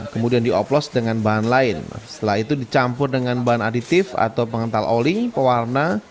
kemudian dioplos dengan bahan lain setelah itu dicampur dengan bahan aditif atau pengental oling pewarna